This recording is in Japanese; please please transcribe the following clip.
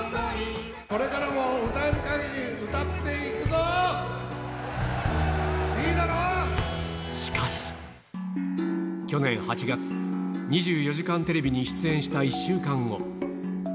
これからも歌えるかぎり、しかし、去年８月、２４時間テレビに出演した１週間後。